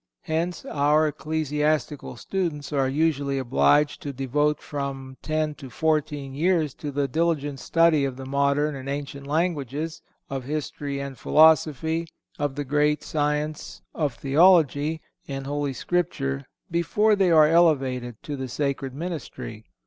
Hence our ecclesiastical students are usually obliged to devote from ten to fourteen years to the diligent study of the modern and ancient languages, of history and philosophy, of the great science of theology and Holy Scripture, before they are elevated to the sacred ministry.